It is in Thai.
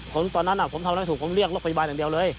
ตอนนั้นผมทำอะไรไม่ถูกผมเรียกรถพยาบาลอย่างเดียวเลย